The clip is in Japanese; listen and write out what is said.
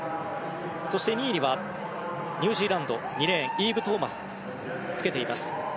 ２位にはニュージーランド２レーン、イーブ・トーマスがつけています。